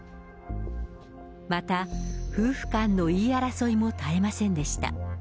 また夫婦間の言い争いも絶えませんでした。